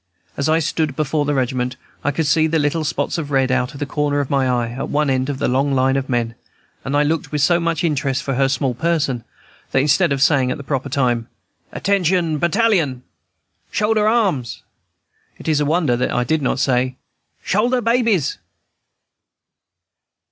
As I stood before the regiment, I could see the little spot of red out of the corner of my eye, at one end of the long line of men; and I looked with so much interest for her small person, that, instead of saying at the proper time, "Attention, Battalion! Shoulder arms!" it is a wonder that I did not say, "Shoulder babies!"